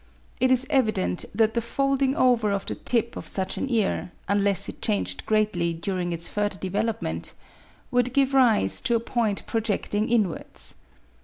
It is evident that the folding over of the tip of such an ear, unless it changed greatly during its further development, would give rise to a point projecting inwards.